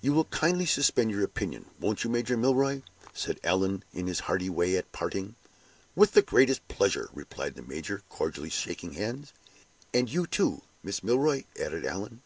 "You will kindly suspend your opinion, won't you, Major Milroy?" said Allan, in his hearty way, at parting. "With the greatest pleasure!" replied the major, cordially shaking hands. "And you, too, Miss Milroy?" added Allan.